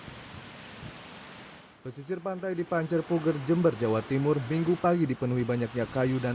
hai pesisir pantai di pancerpuger jember jawa timur minggu pagi dipenuhi banyaknya kayu dan